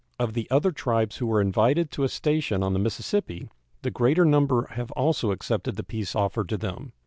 Of the other tribes who were invited to a station on the Mississippi the greater number have also accepted the peace offered to them.